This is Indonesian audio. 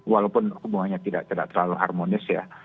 walaupun hubungannya tidak terlalu harmonis ya